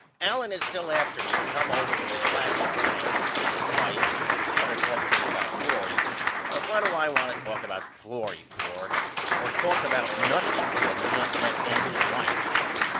Allen is still after me to come over to his flat some night and see his wife and let her talk to me about Florrie but what do I want to talk about Florrie for or talk about nothing to a nut left hander's wife?